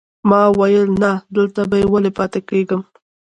ما ویل نه، دلته به ولې پاتې کېږم.